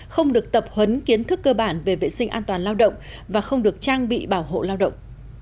không được tập huấn kiến thức cơ bản về vệ sinh an toàn lao động và không được trang bị bảo hộ lao động